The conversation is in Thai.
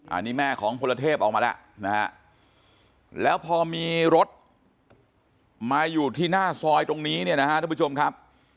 อันนี้แม่ของพลเทพออกมาแล้วนะฮะแล้วพอมีรถมาอยู่ที่หน้าซอยตรงนี้เนี่ยนะฮะทุกผู้ชมครับ